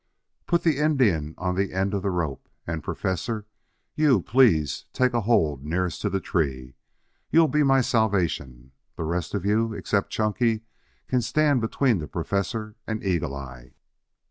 "Put the Indian on the end of the rope; and, Professor, you please take a hold nearest to the tree. You'll be my salvation. The rest of you, except Chunky, can stand between the Professor and Eagle eye."